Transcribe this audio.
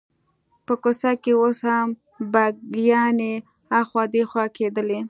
په کوڅه کې اوس هم بګیانې اخوا دیخوا کېدلې.